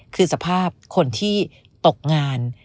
คือสภาพคนที่ตกงาน